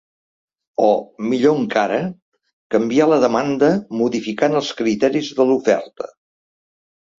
O, millor encara, canviar la demanda modificant els criteris de l’oferta.